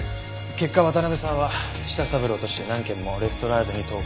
結果渡辺さんは舌三郎として何件もレストラーゼに投稿していました。